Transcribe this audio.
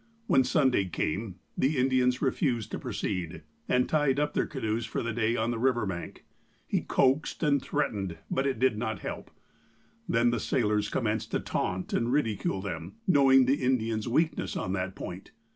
When Sunday came, the Indians refused to proceed, and tied up their canoes for the day on the river bank. He coaxed and threatened, but it did not help. Then the sailors commenced to taunt and ridicule them, knowing the Indians' weakness on that point.